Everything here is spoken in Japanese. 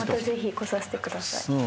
ぜひ来させてください。